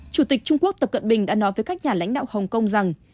chủ tịch trung quốc tập cận bình đã nói với các nhà lãnh đạo hồng kông rằng